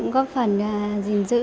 góp phần gìn giữ